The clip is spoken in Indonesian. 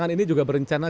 itu juga semuanya